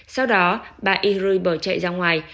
sau đó bà y hơ rươi bỏ chạy ra ngoài